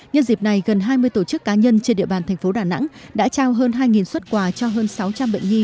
nhân dịp này gần hai mươi tổ chức cá nhân trên địa bàn thành phố đà nẵng đã trao hơn hai xuất quà cho hơn sáu trăm linh bệnh nhi